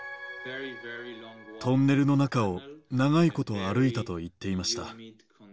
トンネルの中を長いこと歩いたと言っていました。